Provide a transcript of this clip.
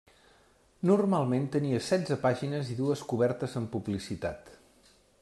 Normalment tenia setze pàgines i dues cobertes amb publicitat.